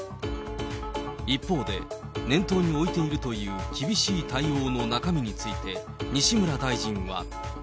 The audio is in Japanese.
一方で、念頭に置いているという厳しい対応の中身について、西村大臣は。